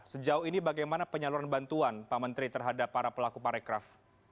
sejauh ini bagaimana penyaluran bantuan pak menteri terhadap para pelaku parekraf